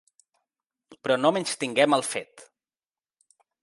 Però no menystinguem el fet.